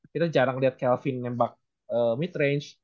kita jarang lihat kelvin nembak mid range